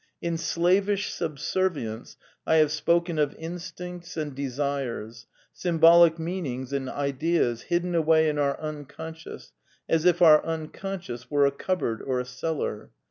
In slavish subservience I have spoken of instincts and desires, symbolic meanings and ideas hidden away in our Unconsciousness, as if our Un consciousness were a cupboard or a cellar.